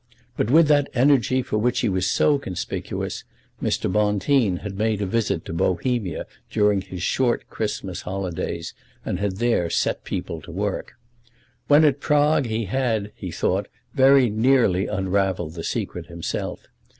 But with that energy for which he was so conspicuous, Mr. Bonteen had made a visit to Bohemia during his short Christmas holidays, and had there set people to work. When at Prague he had, he thought, very nearly unravelled the secret himself.